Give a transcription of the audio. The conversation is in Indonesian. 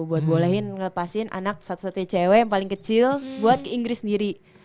buat bolehin ngelepasin anak satu satunya cewek yang paling kecil buat ke inggris sendiri